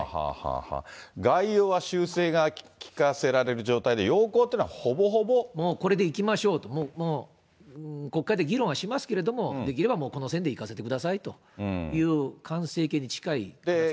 概要は修正が利かせられる状態で、もうこれでいきましょうと、もう国会で議論はしますけれども、できればもうこの線でいかせてくださいという完成形に近い。